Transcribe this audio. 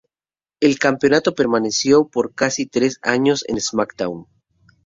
El campeonato permaneció por casi tres años en "SmackDown!